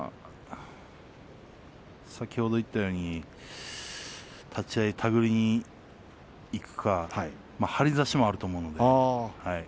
先ほど言ったように立ち合い手繰りにいくか張り差しもあると思います。